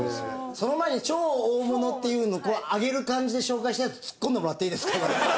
その前に超大物っていう上げる感じで紹介したやつツッコんでもらっていいですか？